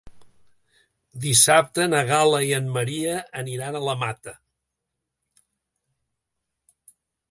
Dissabte na Gal·la i en Maria aniran a la Mata.